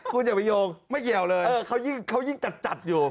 คุณอย่าไปโยงไม่เกี่ยวเลยเขายิ่งจัดอยู่